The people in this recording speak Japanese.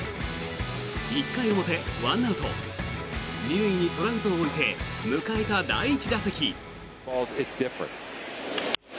１回表１アウト２塁にトラウトを置いて迎えた第１打席。